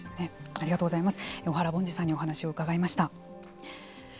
ありがとうございます。